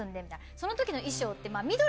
その時の衣装って。